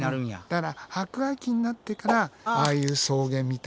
だから白亜紀になってからああいう草原みたいなね